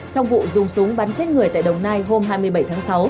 trong vụ dùng súng bắn chết người tại đồng nai hôm hai mươi bảy tháng sáu